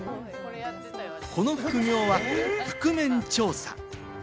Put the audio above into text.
この副業は覆面調査。